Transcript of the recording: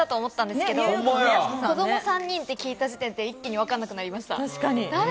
途中まで絶対当てちゃったと思ったんですけど、子供３人って聞いた時点で一気にわからなくなりました。